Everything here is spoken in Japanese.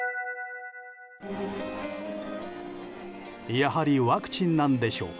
やはりワクチンなんでしょうか。